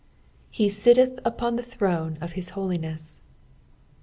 lb litUth vpon the throne of hit holineai."